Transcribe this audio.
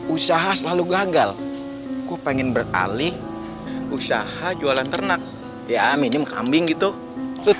usaha selalu gagal pengen beralih usaha jualan ternak ya minum kambing gitu tuh